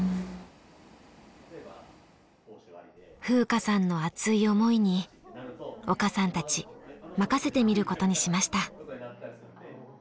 風花さんの熱い思いに岡さんたち任せてみることにしました。